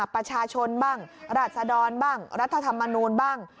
ประชาชนบ้างราศดรบ้างรัฐธรรมนูลบ้าง